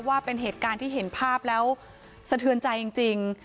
ว่าเป็นเหตุการณ์ที่เห็นภาพแล้วสะเทือนใจจริง